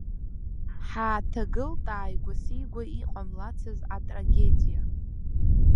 Ҳааҭагылт ааигәа сигәа иҟамлацыз атрагедиа.